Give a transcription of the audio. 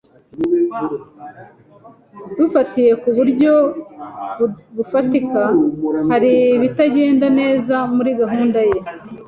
Dufatiye ku buryo bufatika, hari ibitagenda neza muri gahunda ye.